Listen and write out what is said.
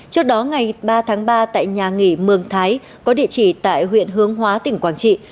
trước đó ngày ba tháng ba tại nhà nghỉ mường thái có địa chỉ tại huyện hướng hóa tỉnh quảng trị